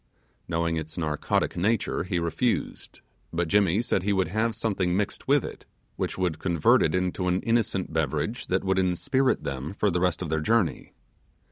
Knowing its narcotic nature, he refused; but Jimmy said he would have something mixed with it, which would convert it into an innocent beverage that would inspirit them for the rest of their journey.